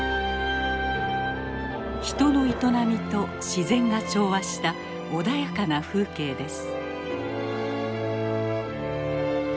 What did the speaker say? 人の営みと自然が調和した穏やかな風景です。